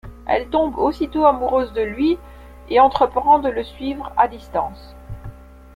Elle tombe aussitôt amoureuse de lui, et entreprend de le suivre à distance.